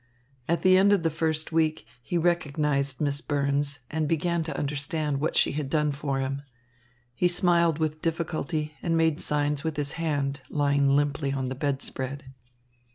At the end of the first week he recognised Miss Burns and began to understand what she had done for him. He smiled with difficulty and made signs with his hand lying limply on the bedspread.